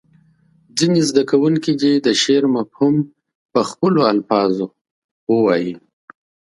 ځینې زده کوونکي دې د شعر مفهوم په خپلو الفاظو ووایي.